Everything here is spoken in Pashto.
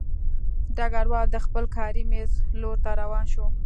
ډګروال د خپل کاري مېز لور ته روان شو